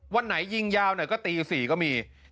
วันไหนยิงยาวหน่อยก็ตี๔ก็มี